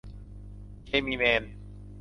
เคมีแมน